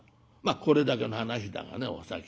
これだけの話だがねお崎さん